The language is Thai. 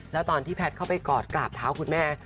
แล้วตอนที่แพทย์เข้าไปกอดกราบเท้าคุณแม่